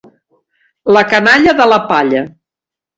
La canalla de la palla.